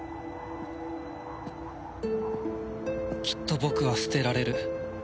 きっと僕は捨てられる